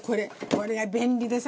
これが便利でさ。